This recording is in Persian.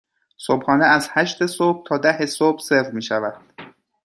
صبحانه از هشت صبح تا ده صبح سرو می شود.